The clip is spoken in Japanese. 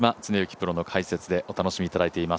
プロの解説でお楽しみいただいています。